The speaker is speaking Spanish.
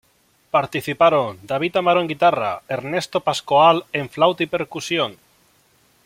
Participaron: David Amaro en guitarra, Hermeto Pascoal en flauta y percusión.